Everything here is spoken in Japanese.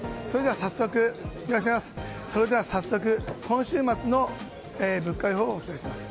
それでは早速、今週末の物価予報をお伝えします。